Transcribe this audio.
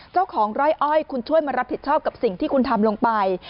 เจ้าของไร่อ้อยคุณช่วยมารับผิดชอบกับสิ่งที่คุณทำลงไป